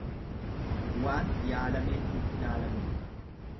Waan yaalamee hin ilaalamne.